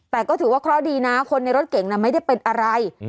แต่ก็ถือว่าเคราะห์ดีนะคนในรถเก่งไม่ได้เป็นอะไร